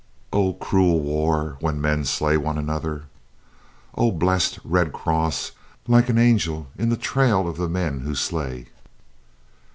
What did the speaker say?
Oh, cruel war when men slay one another! "Oh, blest Red Cross, like an angel in the trail of the men who slay!"